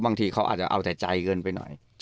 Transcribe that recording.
บางทีเขาอาจจะเอาแต่ใจเกินไปหน่อย